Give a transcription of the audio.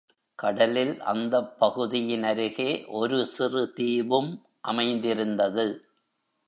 கடலில் அந்தப் பகுதியினருகே ஒரு சிறு தீவும் அமைந்திருந்தது.